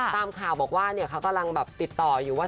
ตามข่าวบอกว่าเขากำลังแบบติดต่ออยู่ว่า